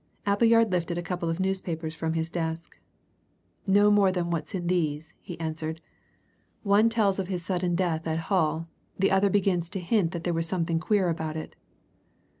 Appleyard lifted a couple of newspapers from his desk. "No more than what's in these," he answered. "One tells of his sudden death at Hull; the other begins to hint that there was something queer about it."